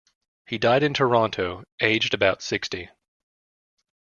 He died in Toronto, aged about sixty.